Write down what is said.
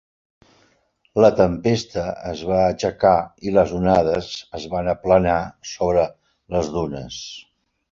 La tempesta es va aixecar i les onades es van aplanar sobre les dunes.